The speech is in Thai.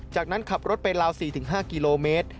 จากนั้นขับรถไปลาว๔๕กิโลเมตร